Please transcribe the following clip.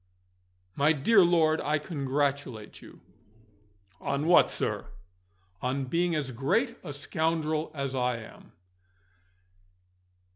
"My dear lord, I congratulate you." "On what, sir?" "On being as great a scoundrel as I am."